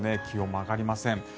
気温も上がりません。